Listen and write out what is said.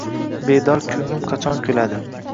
Bedor kunglim qachon kuladi